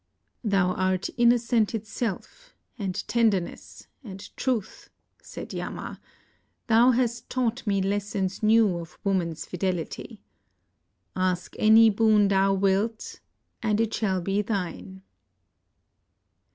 "Thou art innocence itself, and ten derness and truth," said Yama. " Thou hast taught me lessons new of woman's fidelity. Ask any boon thou wilt, and it shall be thine."